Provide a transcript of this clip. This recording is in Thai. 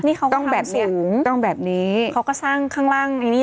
นี่เขาก็ทำสูงต้องแบบนี้เขาก็สร้างข้างล่างอันนี้